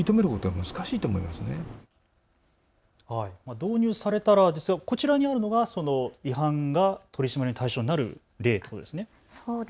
導入されたら、こちらにあるのが違反の取締りの対象になる例ということですね。